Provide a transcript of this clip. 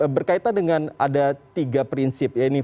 berkaitan dengan ada tiga prinsip